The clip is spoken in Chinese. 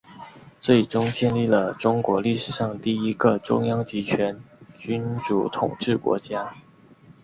最终建立了中国历史上第一个中央集权君主统治国家。